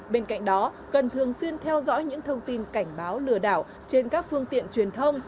bên cạnh đó cần thường xuyên theo dõi những thông tin cảnh báo lừa đảo trên các phương tiện truyền thông